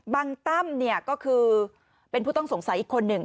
บังตั้มก็คือเป็นผู้ต้องสงสัยอีกคนหนึ่ง